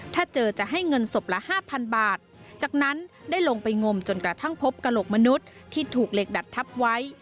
ถ้าเจอจะให้เงินศพละห้าพันบาทจากนั้นได้ลงไปงมจนกระทั่งพบกระโหลกมนุษย์ที่ถูกเหล็กดัดทับไว้